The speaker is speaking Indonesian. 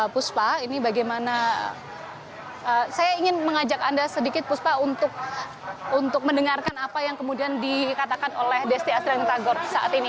puspa ini bagaimana saya ingin mengajak anda sedikit puspa untuk mendengarkan apa yang kemudian dikatakan oleh desti astrian tagor saat ini